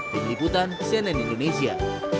dibeliputan cnn indonesia